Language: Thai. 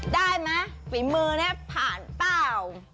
ได้ไหมฝีมือนี้ผ่านเปล่า